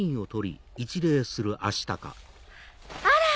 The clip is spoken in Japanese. あら！